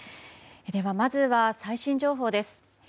では、まずは最新情報です。